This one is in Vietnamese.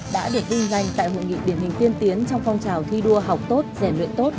đã được vinh danh tại hội nghị điển hình tiên tiến trong phong trào thi đua học tốt rèn luyện tốt